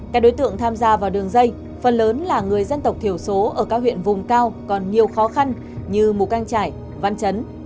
các đối tượng tham gia vào đường dây phần lớn là người dân tộc thiểu số ở các huyện vùng cao còn nhiều khó khăn như mù căng trải văn chấn